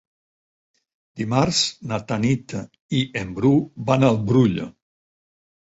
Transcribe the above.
Dimarts na Tanit i en Bru van al Brull.